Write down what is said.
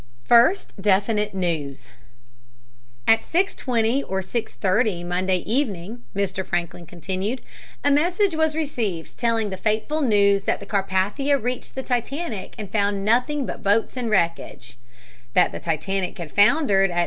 FIRST DEFINITE NEWS "At 6.20 or 6.30 Monday evening," Mr. Franklin continued, "a message was received telling the fateful news that the Carpathia reached the Titanic and found nothing but boats and wreckage; that the Titanic had foundered at 2.